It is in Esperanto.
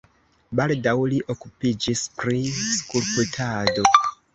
Baldaŭ li okupiĝis pri skulptado.